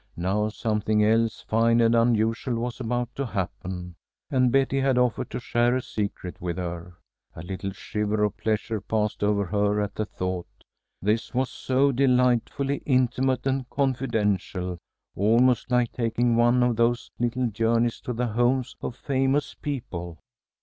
Now something else fine and unusual was about to happen, and Betty had offered to share a secret with her. A little shiver of pleasure passed over her at the thought. This was so delightfully intimate and confidential, almost like taking one of those "little journeys to the homes of famous people."